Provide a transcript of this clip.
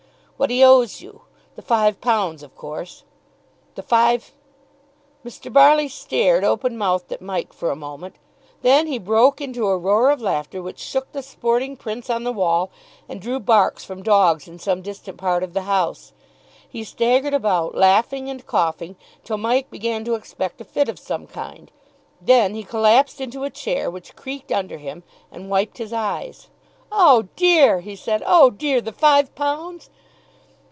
"What he owes you; the five pounds, of course." "The five " Mr. Barley stared open mouthed at Mike for a moment; then he broke into a roar of laughter which shook the sporting prints on the wall and drew barks from dogs in some distant part of the house. He staggered about laughing and coughing till Mike began to expect a fit of some kind. Then he collapsed into a chair, which creaked under him, and wiped his eyes. "Oh dear!" he said, "oh dear! the five pounds!"